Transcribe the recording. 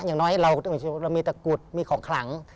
อย่างน้อยเรามีตะกรุดมีของขลัง